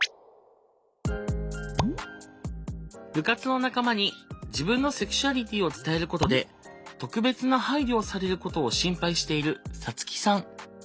部活の仲間に自分のセクシュアリティーを伝えることで特別な配慮をされることを心配しているサツキさん。